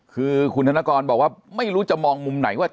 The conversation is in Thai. คือคุณธนกรบอกว่าไม่รู้จะมองมุมไหนว่า